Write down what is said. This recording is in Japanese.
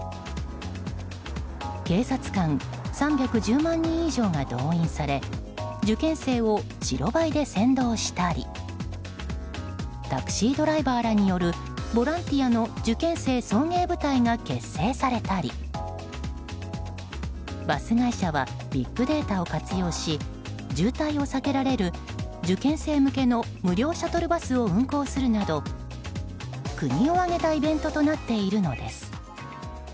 警察官３１０万人以上が動員され受験生を白バイで先導したりタクシードライバーらによるボランティアの受験生送迎部隊が結成されたりバス会社はビッグデータを活用し渋滞を避けられる受験生向けの無料シャトルバスを運行するなど国を挙げたイベントとなっているのです。